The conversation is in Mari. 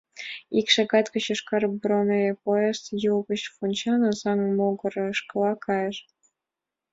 Ик шагат гыч йошкар бронепоезд, Юл гоч вончен, Озаҥ могырышкыла кайыш.